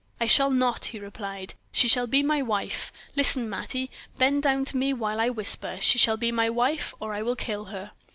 "I shall not," he replied; "she shall be my wife. Listen, Mattie; bend down to me while I whisper. She shall be my wife, or I will kill her!"